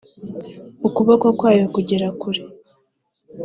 ukuboko kwayo kugera kure